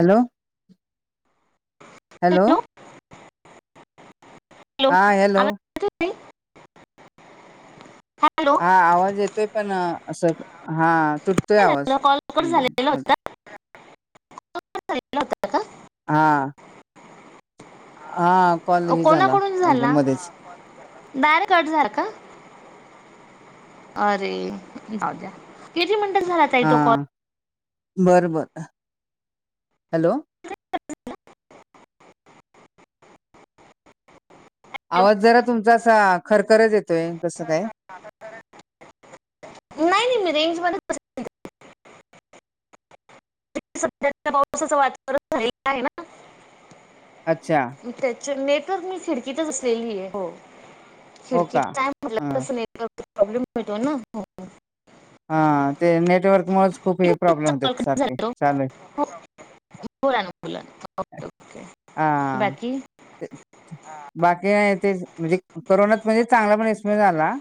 Hello hello hello हा hello आवाज येतोय ताई? हॅलो हा आवाज येतोय पण असं हा. तुटतोय काय आवाज एकदम मध्ये हो का हा हा कॉल ह झाला कोणाकडून एकदम झाला मध्येच डायरेक्ट कट झाला का? अरे जाऊ द्या किती मिनटं झाला ताई तो कॉल? बरं बरं हॅलो आवाज जरा तुमचा असा खरखरच येतोय कसं काय. नाही नाही मी रेंजमध्ये बसलीये. सध्याच्या पावसाचं वातावरण झालेलं आहे ना. अच्छा त्याच न तर मी खिडकीतच असलेली आहे हो. खिडकी का म्हटला ह तसेट प्रॉब्लेम होता ना हा ते नेटवर्क मुळे खूप किती हे मिनिटाचा प्रॉब्लेम कॉल होतात कट सारखे झाला तो चालेल. हो बोला ना पुढं हा बाकी ते. म्हणजे करोनात म्हणजे चांगला पमय झाला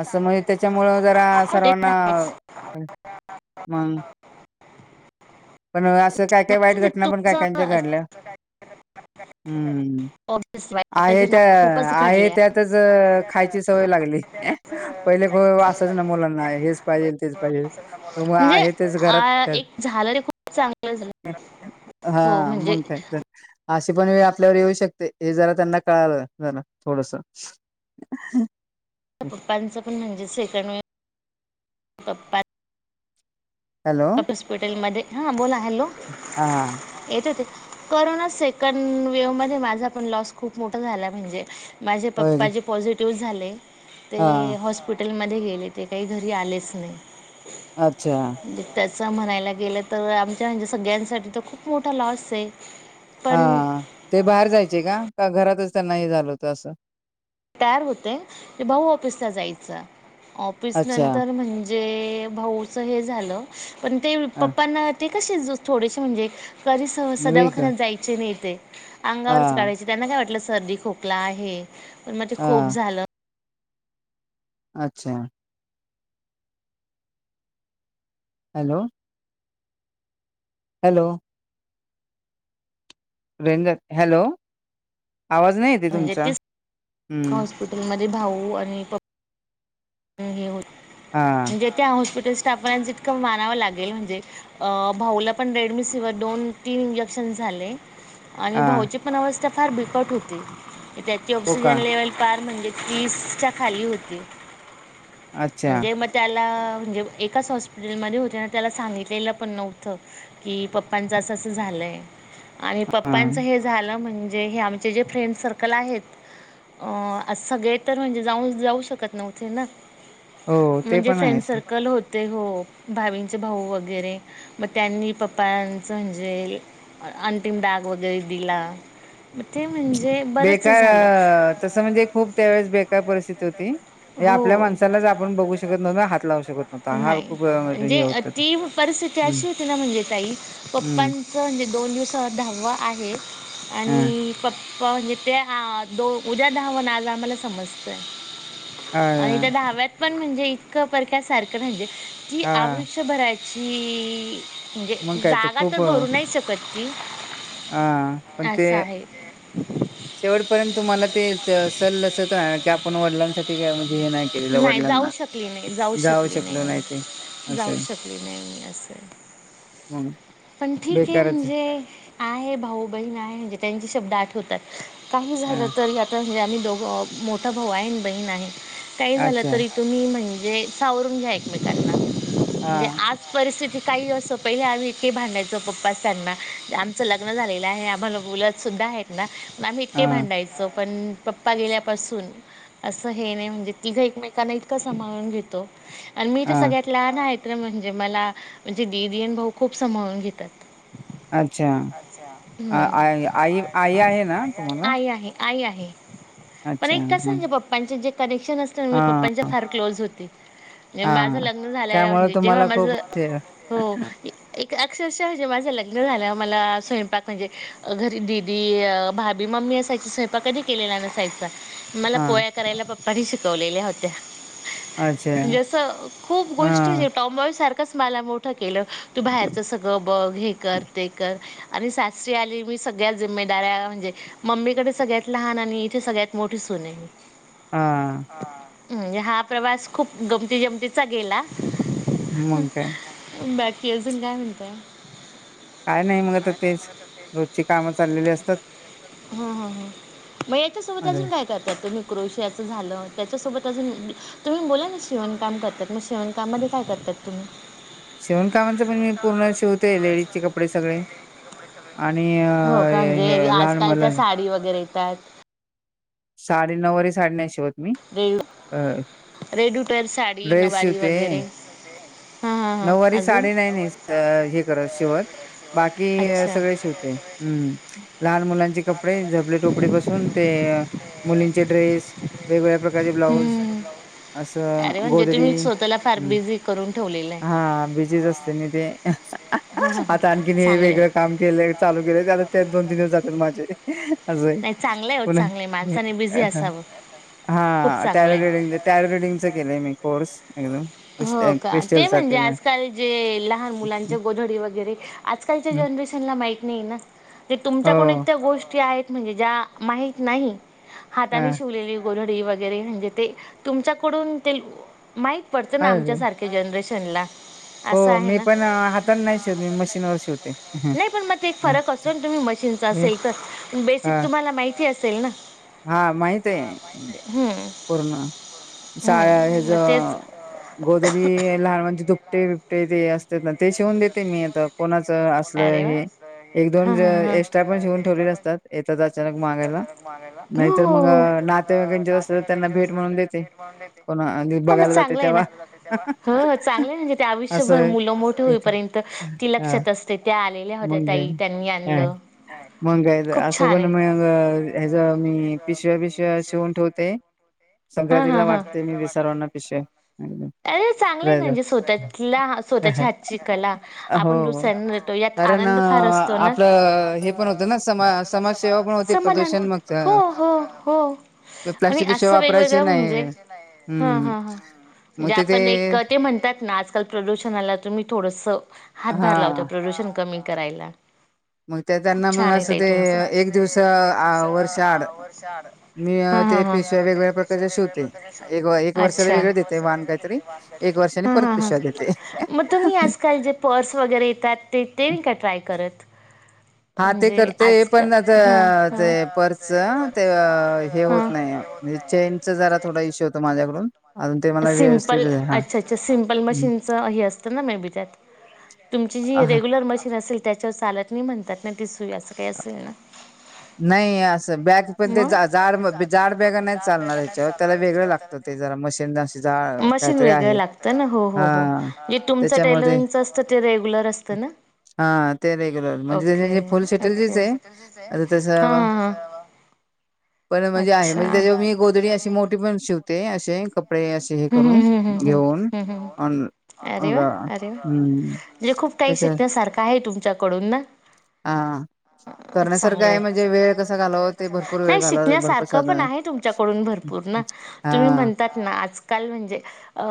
असं म्हणजे त्यामुळे जरा हो ते करोना राहायचं मंग पण असं. काय काय वाईट घटना पण काय कायच्या तुमचं घडल्या हम्म ऑब्विसली वाईट आहे घटना त्या खूपच आहे घडल्या. त्यातच खायची सवय लागली पहिले. असच न मुल नाही हेच पाहिजे तेच पाहिजे मग म्हणजे हे तेच घरात. आ एक झालं ते खूप चांगलं झालं. हा हो म्हणजे मंग कायच. अशी पण वेळ आपल्यावर येऊ शकते हे जरा त्यांना कळालं जरा थोडस पप्पांचं पण म्हणजे सेकण पप्पा हॅलो कपसपोटेलमध्येध्ये हा बोला हॅलो हा येत होते करना सेकं वेव मध्ये माझा पण लॉस खूप मोठा झाला म्हणजे माझे होय पप्पा जे पॉझिटिव्ह झाले ते हा हॉस्पिट हॉटेलमध्ये गेले ते काही घरी आलेच नाही अच्छा म्हणजे त्याचं म्हणायला गेलं तर आमच्या म्हणजे सगळ्यांसाठी तर खूप मोठा लॉस आहे हा पण ते बाहेर जायचे का घरातच त्यांना हे झालं होत असं तार होते भाऊ ऑफिसला जायच ऑफिस अच्छा. नंतर म्हणजे जे भाऊच हे झालं पण ते हा पप्पना ते कसे थोडेसे म्हणजे कधी सह वेग सदावखर जायचे नाही ते अंगावरच हा काढायचे त्यांना काय वाटलं सर्दी खोकला आहे पण मग ते खूप हा. झालं अच्छा हॅलो हॅलो वे हॅलो आवाज नाही येते तुमचा हम्म माे भाऊ आणि पप्पा हे हो हा म्हणजे त्या हॉस्पिटल टेस्ट आपण जितकं मानावं लागेल म्हणजे भाऊला पण रेडमी सि्हर दोन तीन इंजेक्शन झाले आणि हा भाऊची पण अवस्था फार बिकट होती त्याची हो का ऑक्सिजन लेवल फार म्हणजे तीसच्या खाली होती अच्छा म्हणजे मग त्याला एकाच हॉस्पटल हो त्याला सांगित पण नव्हत की पप्पां झा आणि हा पप्पांच हे झालं म्हणजे हे आमचे जे फ्रेंड सर्कल आहेत अ आज सगळे तर म्हणजे जाऊन जाऊ शकत न्हथे ना हो ते म्हणजे पण फ्रेंड आहेच सर्कल हो ते हो भावींचे भाऊ वगैरे मग त्यांनी पप्पांचं म्हणजे अंतिम डाग वगैरे दिला ते म्हणजे बरंच झालं बेकार तसं म्हणजे खूप त्यावेेळेस बेकार परिस्थिती होती म्हणजे आपल्या माणसालाच आपण बघू शकत नव्हत हात लावू शकत नव्हता हा खूप अ, हे म्हणजे होत ते ती परिस्थिती हम्म अशी होती ना म्हणजे तई हम्म पप्पांचं म्हणजे दोन दिवस दहावा आहे ह आणि प पणज ते दोन उद्या धहावण आज आम्हाला समजतय हा आणि त्या डाव्यात पण म्हणजे इतकं परक्या सारखं म्हणजे कि हा आयुष्य भरायच ही म्हणजे मग काय जागा तर खूप भरू अ, नाही शकत की हा म्ह ते शेवटपर्यंत त मला ते सल्स की आपण वडिलांसाठी ठीक आहे म्हणजे हे नाही केलेल्या जाऊ वडिलांना शकली नाही जाऊ शकली शकलो नाही ते मी असं जाऊ आहे शकली नाहीे ममी असं म्हणून पण ठीक आहे म्हणजे भाऊ बण आहे म्हणे त्यां शब् आठवतात काही हां झालंे आ. दोघ मोठा भाऊ आहे बहीण आहे काही झालं अच्छा तरी तुम्ही म्हण. सावरून घ्यामेकांना म्हणजे हां आज परिथि काही वर्स पहिले आम्ही इथे भांडायचो पप्पा सांना आमचं लग्न झालेलं आहे आम्हाला मुलत सुद्धा आम्ही इतके हां भांडायचो पण पप्पा गेल्यापासून असं हे नाही म्हणजे तिघं एकमेकांना इतकं सांभाळून घेतो आणि मी तर हां सगळ्यात लहान आहेत. म्हणजे मला म्हणजे डीन भाऊ खूप समवून घेतात. अच्छा. आ हम् आई आई आई आहे ना तुम्हाला? आई आहे. आ आहे. अच्छा हम्म. चे जे कनेक्शन असतं मी पप्पांच्या फार क्लोज होते. माझं हां. लग्न झालं त्यामुळे म्हणजे जेव्हा तुम्हाला माझ खूप ते हो. अक्षरशा जे माझं लग्न झालं मला स्वयंपाक म्हणजे घरी दिदी, भाभी, मम्मी मी असायचा स्वयंपा कधी केलेला नसायचा मला हां पोळ्या करायला पप्पानी शिकवलेल्या होत्या. अच्छा म्हणजे असं खूप गोष्टी हां जे टॉम बॉय सार मला मोठ केलं तू बाहेरच सगळं बघ हे कर ते कर आणि सासरी आली मी सगळ्यात जिम्मेदाऱ्या म्हणजे मम्मीकडे सगळ्यात लहान आणि इथे सगळ्यात मोठी सून आहे मी. हा. हा प्रवास खूप गमती जमतीचा गेला. मग काय बाकी अजून काय म्हणताय? काय नाही मग आता तेच रोजची कामं चाललेली असतात. हा हा हा मग याच्यासोबत अगं अजून काय करतात तुम्ही? क्रोशियाच झालं. त्याच्यासोबत अजून तुम्ही बोला ना शेवणकाम करतात मग शेवणकाम मध्ये काय करतात तुम्ही? शिवणकामाचं पण मी पूर्ण शिवते लेडीजचे कपडे सगळे. आणि हो अ हे हे लहान मुलांचे त्याात साडी नऊवारी साडी नाही शी शिवत मी रेड अ रेड्युटर साडी ड्रेस नवारी शिवते. वगैरे हां हां हां नऊवारी अजून साडे नाही नाही हे करत शेवट बाकी अच्छा सगळे शिवते. हम्म लहान मुलांचे कपडे झपले टोपडी पासून ते मुलींचे ड्रेस वेगवेगळ्या प्र कधी ब्लाऊज हम्म. अस अरे म्हणजे गोदडी तुम्ही स्वतःला फार बिझी करून ठेवलेलं हा बीजीच असते मी ते हा! आता आणखीन मी वेगळं काम केलं चालू केल आता ते दोन तीन दिवस जातात माझे असं ये. चांगले ओ चांगले मा खूप हा चांगलं टॅरो आहे रिडिंग टॅरो रिडिंगच केलेय मी कोर्स. एकदम क्रिस्ट हो का ते क्रिस्टलचा म्हणजे केलाय आजकाल जे लहान मुलांचे हम्म. गोधडी वगैरे आजकालच्या जे जनरेशन ला माहत नाही ना. ते हो, तुमच्या कोण त्या गोष्टी आहेत म्हणजे ज्या माहीत नाही हाताने हां. शिवलेली गोधडी वगैरे म्हणजे ते तुमच्याकडून ते माहित अरे! आमच्यासारख्या जनरेशन हो मी पण हाताने नाही शिवत मी मशीन वर शिवते. मशीन हं. असेल तर बेसिक तुम्हाला माहिती असेल ना? हा माहित आहे हं, पूर्ण हं. मग तेच गोदडी लहान म्हणजे दुपटे बिपटे ते असतात ना ते शिवून देते मी आता कोणाच असलं अरे वा हे. एक हा दोन हा हा एक्स्ट्रा पण शिवून ठेवले असतात येतच अचानक मागायला. हो नाहीतर हो मग हो नाते अस तर त्यांना भेट म्हणून देते कोणा बघायला जाते. चांगले ना तेव्हा. म्हणजे हो असं आयुष्यभर आहे मुलं मोठ इथे. होईपर्यंत हां, हां. लक्षात त्या आलेल्या होत्या मग काय तई त्यांनी काय? आणलं मग काय तर खूप असं छान पण आहे. मग ह्याच मी पिशव्या पिशव्या शिवून ठेवते. संक्रांतीला ठेवते. सगळं वाटते मी विसर्वांना पिशव्या अरे चांगले जायचं. नाजे स्वतःला स्वतःच्या हातची कला आपण हो दुसर कारण आपलं हे पण होतं ना समा समाजसेवा पण होती. समाधान दूषण मग हो हो हो आणि प्लास्टिक पेक्षा असं वापरायचे वेगवेगळं नाही म्हणजे हा हम्म हा हा मग म्हणजे ते ते आपण एक ते म्हणतात ना आजकाल प्रदूषणाला तुम्ही थोडस हा प्रदूषण कमी करायला. मग ते खूप त्यांना मग छान आहे असं ताई ते तुमचं. एक दिवस अ वर्षा आड मीअ ते पिशव्या वेगगळ्या प्रकारच्या शिवते एक वर्षाला अच्छा वेग देते वन काहीतरी एक वर्षांनी हा हा सर मग तुम्ही आज काल पर्स वैगरे येतात ते देईल का ट्राय करत हा ते म्हणजे करते आज पण ज हां जे हां. पर्सच ते अ हे होत नाहीअ म्हणजे चेनच जरा थोडा इश्यू होत माझ्याकडून अजून ते मला सिमपल व्यवस्थित हा अच्छा अच्छा सिमपल मशीनच हे असतं ना मे बी त्यात तुमची जी हा रेग्युलर मशीन असेल त्याच्यावर चालत नाही म्हणतात ना ती सुई असं काही असेल ना नाही असं बॅग पण ते जाड जाड बॅग नाही चालणार या्याच्यावर त्याला वेगळं लागतं ते ते जरा मशीन द मशीन वेगळ लागत ना हो हो हो हा जे तुमच त्याच्यामध्ये टेलरिंगच असतं ते रेग्युलर असतं ना हा हा ते रेग्युलर म्हणजेे ते रेग्युलर फुल शेटेलजीच पद्धतीने आहे अता तसवा पण पण म्हणजे आहे तसं भरलेली म्हणजे त्याच्या मी गोदडी अशी मोठी पण शिवते असे कपडे असे हे करून कपडे घेऊन स्टिच करून ओन अरे वा अरे वा म्हणजे खूप कााही त्याच्या शिकण्यासारखं आहे तुमच्याकडून ना हा करण्यासारखं चांगलंय आहे म्हणजे वेळ कसा घालावा ते भरपूर वेळ नाही घालावा भरपूर शिकण्यासारखं पण साधन आहे तुमच्याकडून भरपूर ना तुम्ही हा म्हणतात ना आजकाल म्ह म्हणजे अ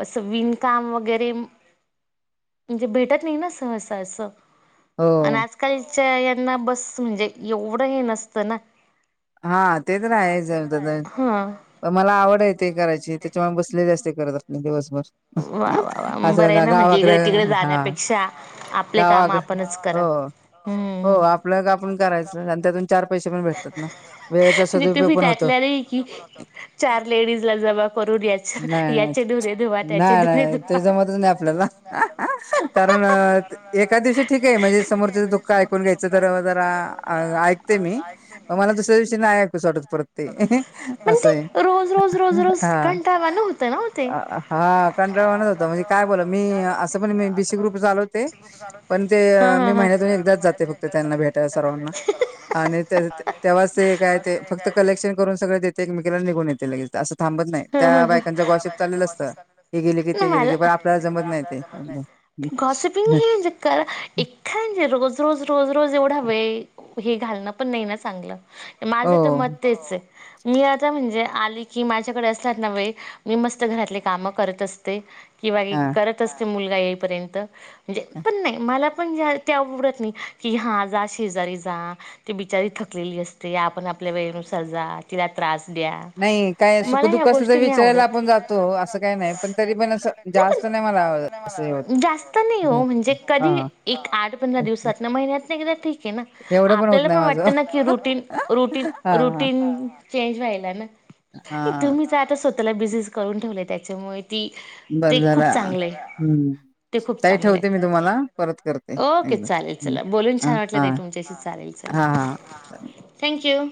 अस विणकाम वगैरे म म्हणजे भेटत नाही ना सहसा असं. अन् हो आजकालच्या यांना बस म्हणजे एवढं हे नसतं ना. हा ते तर राहाच [unintelligible] होतं हां पण मला आवड आहे. ते करायचे त्याच्यामुळे बसलेले असते करत आपले दिवसभर. वा वा वा हा बरं असं आहे ना म्हणजे गावाकडे इकडे तिकडे हा जाण्यापेक्षा आपले काम गावाकड आपणच करा हो हो हम्म आपलं काम आपण करायचं आणि त्यातून चार पैसे पण भेटतात ना. वेळेचा म्हणजे सदुपयोग तुम्ही पण होतो. त्यातल्या नाही की चार लेडीज ला जमा करुयाचं नाही याचे धुने धुवा नाही त्याचे नाही धुणे धुवा. [unintelligible] [inaudible] अँ कारण अ एका दिवशी ठिक आहे म्हणजे समोर जे दुःख ऐकून घायचं जरा जरा ऐकते मी मला दुश ते नाय ऐकुस वाटत परत ते असं आहे. वाटत परत. रोज रोज रोज रोज हा कंटाळवाणं होतं ना ओ ते. मग हा कंटाळवाणाच होतं म्हनजे काय बोलू मी अस पण मी बीसी ग्रुप चालवते पण ते मी महिन्यातुन एकदा ते फक्त त्यांना भेटाय सर्वांना आणि तेच ते तेव्हाच ते काय ते फक्त कलेक्शन करून सगळ देते एक मेकला निघून येतील लगेच असं थांबत नाही त्या लगेच. बायकांचा ग्वाशिप चालेल असतां हि गेली की ती गेली की मला पण आपल्याला जमत नाही ते. तर एखाद म्हणजे रोज रोज रोज रोज एवढा वेळ हे घालणं पण नाही ना चांगलं माझं तर हो मत तेचऐ मी आता म्हणजे आली की माझ्याकडे असला ना वेळ मी मस्त घरातले काम करत असते किंवा ए हा करत असते मुलगा येईपर्यंत म्हणजे पण नाही मला पण ज्या त्या आवडतं नाही कि हा जा शेजारी जा ती बिचारी थकलेली असते आपण आपल्या वेळेनुसार जा ती तिला त्रास द्या नाही काय मला या सुखदुःख असलं तर गोष्टी नाही विचारायला आपण आवडत जातो असं काही नाही पण तरी पण असं जास्त नाही मला असं हे होत जास्त नई ओ म्हणजे कधी हा एक आठ पंधरा दिवसांतना महि घरातल्या घरात ठिक आहे ना एवढं होत आपल्याला नाही पण वाटत माझं ना की रूटीन रूटीन हा हा रूटीन चेंजवायलाना हा तुम्हीच आता स्वतःला बिझीज करून ठेवले त्याच्यामुळे ती ते बरं झालं खूप चांगलाय हम्म ते खूप ताई ठेवते चांगलेत मी तुम्हाला परत करते ओके एकदा चालेल. चला बोलुन हा छान वाटलं हा ताई तुमच्याशी चालेल हा चला हा थँक्यू.